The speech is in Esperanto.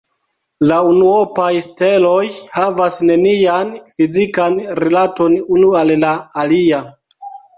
La unuopaj steloj havas nenian fizikan rilaton unu al la alia.